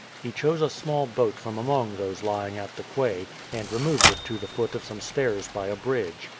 He chose a small boat from among those lying at the quay, and removed it to the foot of some stairs by a bridge.